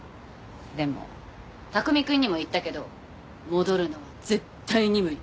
でも拓海くんにも言ったけど戻るのは絶対に無理。